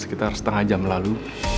sekitar setengah jam lalu